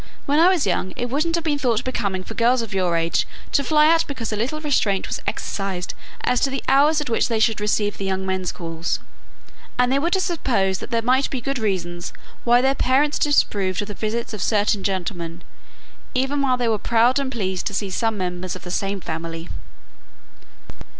When I was young it wouldn't have been thought becoming for girls of your age to fly out because a little restraint was exercised as to the hours at which they should receive the young men's calls. And they would have supposed that there might be good reasons why their parents disapproved of the visits of certain gentlemen, even while they were proud and pleased to see some members of the same family."